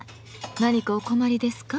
何かお困りですか？